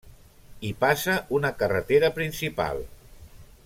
Hi passa una carretera principal.